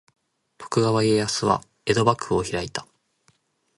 徳川家康は江戸幕府を開いた。